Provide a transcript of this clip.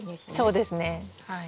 そうですねはい。